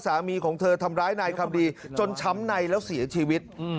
สามีของเธอทำร้ายนายคำดีจนช้ำในแล้วเสียชีวิต